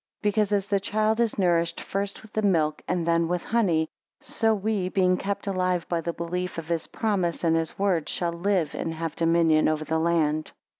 Because as the child is nourished first with milk, and then with honey; so we being kept alive by the belief of his promises and his word, shall live and have dominion over the land.